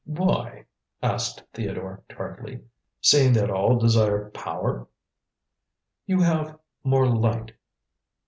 "Why?" asked Theodore tartly, "seeing that all desire power?" "You have more Light.